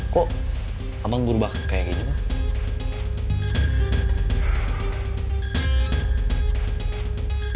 kok abang berubah kayak gini mah